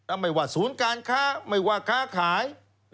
ไม่ว่าศูนย์การค้าไม่ว่าค้าขาย